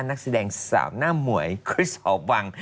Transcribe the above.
นักแสดงสาวหน้าหมวยคริสหอวัง